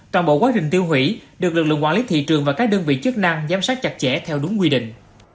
toàn bộ quá trình tiêu hủy được lực lượng quản lý thị trường và các đơn vị chức năng giám sát chặt chẽ theo đúng quy định